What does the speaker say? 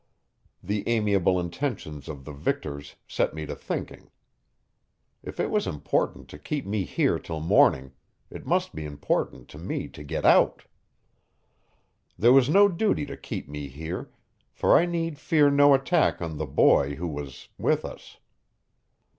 The amiable intentions of the victors set me to thinking. If it was important to keep me here till morning, it must be important to me to get out. There was no duty to keep me here, for I need fear no attack on the boy who was with us.